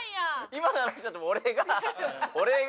今の話だと俺が俺が。